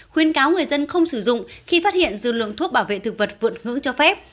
khuyên cáo người dân không sử dụng khi phát hiện dư lượng thuốc bảo vệ thực vật vượt ngưỡng cho phép